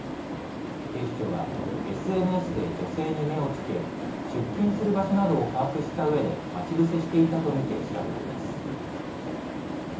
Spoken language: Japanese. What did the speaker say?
警視庁はＳＮＳで女性に目をつけ出勤する場所などを把握したうえで待ち伏せしていたと見て調べています。